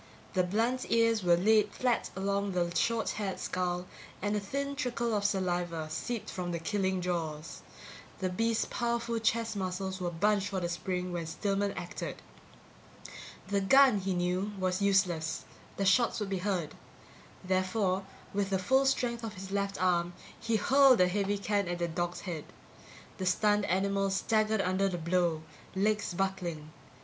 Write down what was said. The blunt ears were laid flat along the short haired skull and a thin trickle of saliva seeped from the killing jaws. The beast's powerful chest muscles were bunched for the spring when Stillman acted. The gun, he knew, was useless; the shots would be heard. Therefore, with the full strength of his left arm, he hurled a heavy can at the dog's head. The stunned animal staggered under the blow, legs buckling.